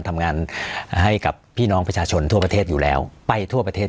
ทำงานให้กับพี่น้องประชาชนทั่วประเทศอยู่แล้วไปทั่วประเทศ